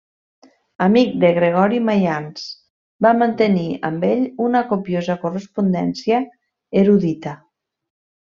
Amic de Gregori Maians, va mantenir amb ell una copiosa correspondència erudita.